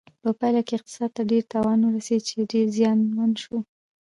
په پایله کې اقتصاد ته ډیر تاوان ورسېده چې ډېر زیانمن شو.